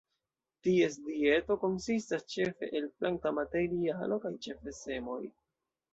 Ties dieto konsistas ĉefe el planta materialo kaj ĉefe semoj.